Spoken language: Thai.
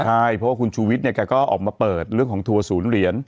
ใช่เพราะว่าคุณชูวิทย์เนี่ยแกก็ออกมาเปิดเรื่องของทัวร์ศูนย์เหรียญ